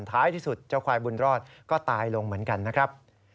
ท้ายที่สุดเจ้าควายบุญรอดก็ตายลงเหมือนกันนะครับ